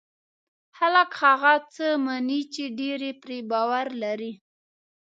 خلک هغه څه مني چې ډېری پرې باور لري.